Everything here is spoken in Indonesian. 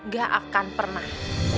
gak akan pernah